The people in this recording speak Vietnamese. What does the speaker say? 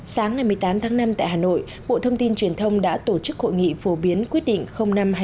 sáng ngày một mươi tám tháng năm tại hà nội bộ thông tin truyền thông đã tổ chức hội nghị phổ biến quyết định năm hai nghìn một mươi bảy